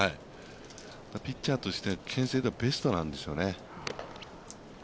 ピッチャーとしてけん制ではベストなんですよね。